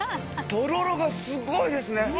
とろろがすごいですね。